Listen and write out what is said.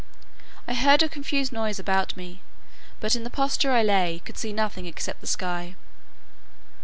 I heard a confused noise about me; but in the posture I lay, could see nothing except the sky.